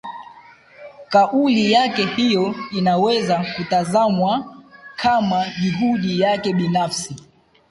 Kauli yake hiyo inaweza kutazamwa kama juhudi yake binafsi